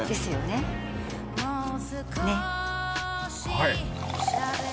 はい？